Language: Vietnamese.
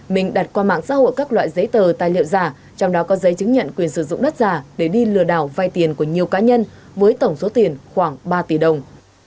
mình đặt qua mạng xã hội các loại giấy tờ tài liệu giả trong đó có giấy chứng nhận quyền sử dụng đất giả để đi lừa đảo vay tiền của nhiều cá nhân với tổng số tiền khoảng ba tỷ đồng